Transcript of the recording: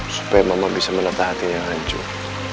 supaya mama bisa menata hatinya hancur